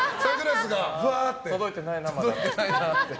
届いてないな、まだ。